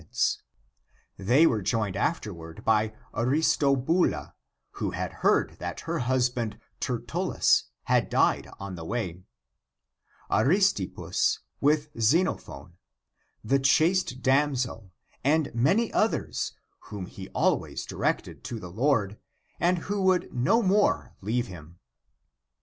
l6o THE APOCRYPHAL ACTS They were joined afterward by Aristobula, who had heard that her husband Tertullus had died on the way, Aristippus with Xenophon, the chaste damsel, and many others, whom he always di rected to the Lord, and who would no more leave him.